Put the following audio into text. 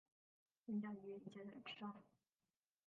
凌驾於一切之上